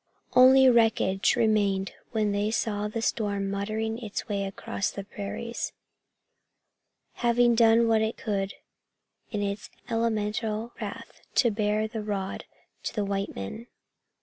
Only wreckage remained when they saw the storm muttering its way across the prairies, having done what it could in its elemental wrath to bar the road to the white man.